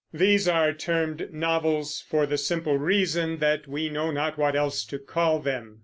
These are termed novels for the simple reason that we know not what else to call them.